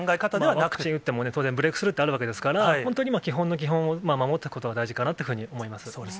ワクチン打っても当然、ブレークスルーってあるわけですから、本当に今、基本の基本を守っていくことが大事かなと思います。